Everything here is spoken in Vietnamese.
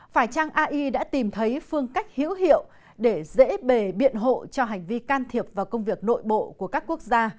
phải trang ai đã tìm thấy phương cách hữu hiệu để dễ bề biện hộ cho hành vi can thiệp vào công việc nội bộ của các quốc gia